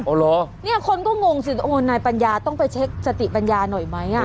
เหรอเนี่ยคนก็งงสิโอ้นายปัญญาต้องไปเช็คสติปัญญาหน่อยไหมอ่ะ